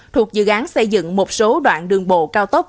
thuộc dự án xây dựng một số đoạn đường bộ cao tốc